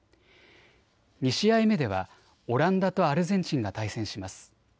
２試合目ではオランダとアルゼンチンが対戦します。